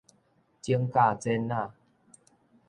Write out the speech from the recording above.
指甲剪仔